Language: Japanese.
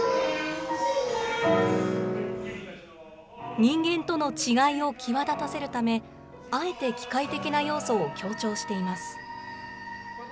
人間との違いを際立たせるため、あえて機械的な要素を強調しています。